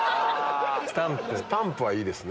スタンプはいいですね。